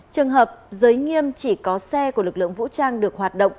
trường hợp giới nghiêm chỉ có xe của lực lượng vũ trang được hoạt động